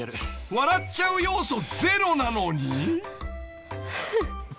［笑っちゃう要素ゼロなのに］